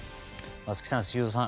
松木さん、修造さん